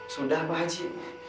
sudah pak haji